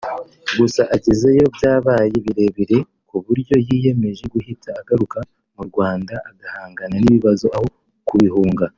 gusa agezeyo byabaye birebire ku buryo yiyemeje guhita agaruka mu Rwanda agahangana n’ibibazo aho kubihunga